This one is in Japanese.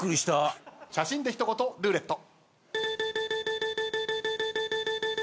写真で一言ルーレット。